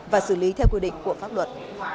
và xử lý theo quy định của pháp luật